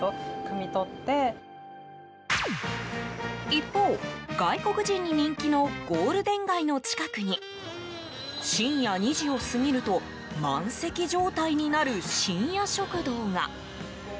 一方、外国人に人気のゴールデン街の近くに深夜２時を過ぎると満席状態になる深夜食堂が。